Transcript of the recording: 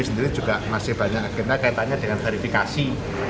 jadi juga masih banyak agenda kaitannya dengan verifikasi